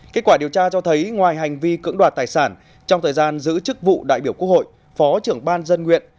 kết quả điều tra cho thấy ngoài hành vi cưỡng đoạt tài sản trong thời gian giữ chức vụ đại biểu quốc hội phó trưởng ban dân nguyện